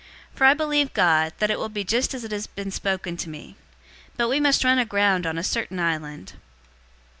For I believe God, that it will be just as it has been spoken to me. 027:026 But we must run aground on a certain island."